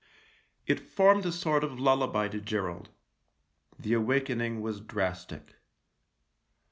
It formed a sort of lullaby to Gerald. The awakening was drastic.